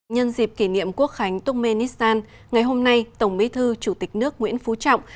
nhân dịp kỷ niệm quốc khánh turkmenistan ngày hôm nay tổng bí thư chủ tịch nước nguyễn phú trọng